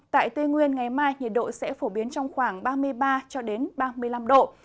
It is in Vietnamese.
tại tây nguyên ngày mai nhiệt độ sẽ phổ biến trong khoảng ba mươi ba ba mươi năm độ